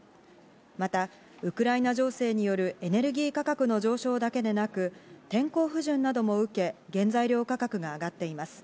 また、ウクライナ情勢によるエネルギー価格の上昇だけでなく、天候不順なども受け、原材料価格が上がっています。